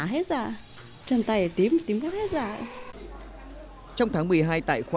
thế nhưng mà riêng cái tiêu chảy này là tôi hốt